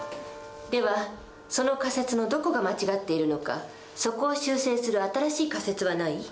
ではその仮説のどこが間違っているのかそこを修正する新しい仮説はない？